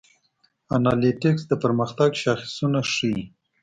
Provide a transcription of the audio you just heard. انالیتکس د پرمختګ شاخصونه ښيي.